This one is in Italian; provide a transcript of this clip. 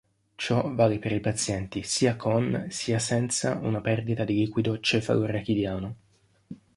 Ciò vale per i pazienti sia con, sia senza una perdita di liquido cefalorachidiano.